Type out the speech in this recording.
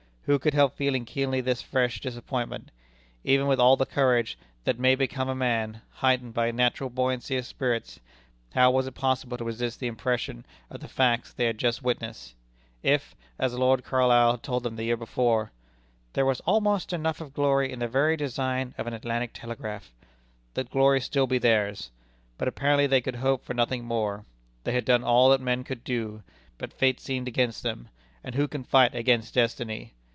Who could help feeling keenly this fresh disappointment? Even with all the courage "that may become a man," heightened by a natural buoyancy of spirits, how was it possible to resist the impression of the facts they had just witnessed? If as Lord Carlisle had told them the year before "there was almost enough of glory in the very design of an Atlantic telegraph," that glory might still be theirs. But apparently they could hope for nothing more. They had done all that men could do. But fate seemed against them; and who can fight against destiny?